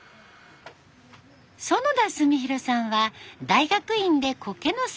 園田純寛さんは大学院でコケの生態を研究。